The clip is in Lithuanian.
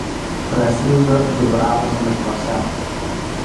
Prasideda Dubravos miškuose.